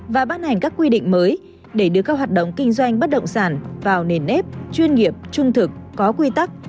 và ban hành các quy định mới để đưa các hoạt động kinh doanh bất động sản vào nền ép chuyên nghiệp trung thực có quy tắc